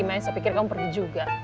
saya pikir kamu perlu juga